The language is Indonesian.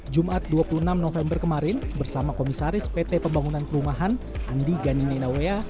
jumat dua puluh enam november kemarin bersama komisaris pt pembangunan perumahan andi gani newea